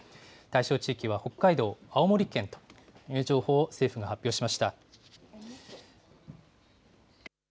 対象地域は北海道、青森県という情報を政府が発表しました。